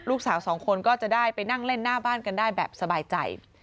ลูกสาวสองคนก็จะได้ไปนั่งเล่นหน้าบ้านกันได้แบบสบายใจ